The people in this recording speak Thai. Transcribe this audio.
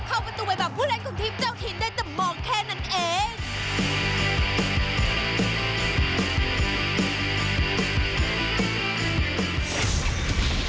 เข้าประตูไปแบบผู้เล่นของทีมเจ้าถิ่นได้แต่มองแค่นั้นเอง